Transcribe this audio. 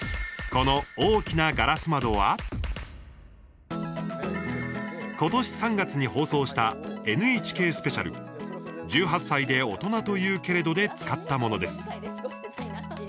ことし３月に放送した「ＮＨＫスペシャル１８歳で大人というけれど」で使ったものです。